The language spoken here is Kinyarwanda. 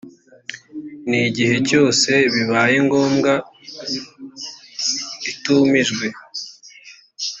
n igihe cyose bibaye ngombwa itumijwe